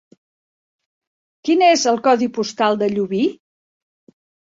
Quin és el codi postal de Llubí?